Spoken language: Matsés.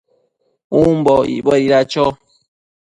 umbo icbuedida cho?